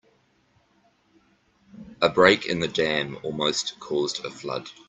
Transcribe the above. A break in the dam almost caused a flood.